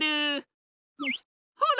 ほら。